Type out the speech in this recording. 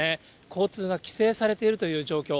交通が規制されているという状況。